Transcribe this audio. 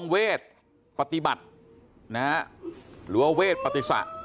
๒เวทย์ปฏิบัติหรือว่าเวทย์ปฏิษฐะ